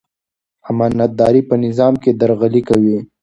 امانتداري په نظام کې درغلي کموي.